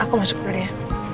aku masuk dulu ya